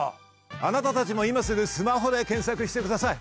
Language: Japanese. あなたたちも今すぐスマホで検索してください。